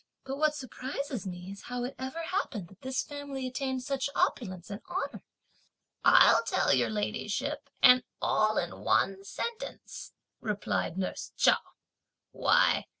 but what surprises me is how it ever happened that this family attained such opulence and honour!" "I'll tell your ladyship and all in one sentence," replied nurse Chao.